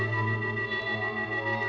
aku menantimu henry